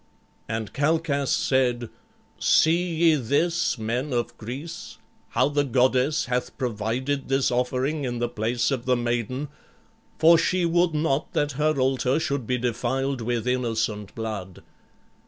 And Calchas said, "See ye this, men of Greece, how the goddess hath provided this offering in the place of the maiden, for she would not that her altar should be defiled with innocent blood.